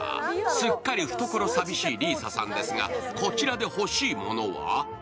すっかり懐寂しい里依紗さんですが、こちらで欲しいものは？